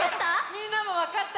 みんなもわかった？